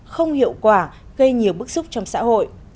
không hiệu quả gây nhiều bức xúc trong xã hội